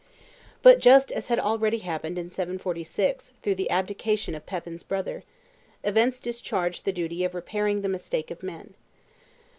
But, just as had already happened in 746 through the abdication of Pepin's brother, events discharged the duty of repairing the mistake of men.